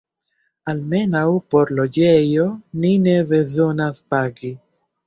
Almenaŭ por loĝejo ni ne bezonas pagi.